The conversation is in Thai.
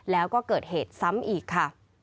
แล้วก็เกิดเหตุซ้ำอีกค่ะ